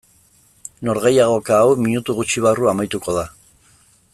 Norgehiagoka hau minutu gutxi barru amaituko da.